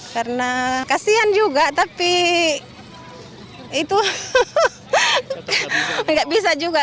karena kasihan juga tapi itu tidak bisa juga